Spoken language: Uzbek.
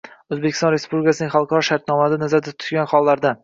O‘zbekiston Respublikasining xalqaro shartnomalarida nazarda tutilgan hollarda.